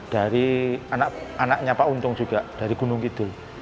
dari anaknya pak untung juga dari gunung kidul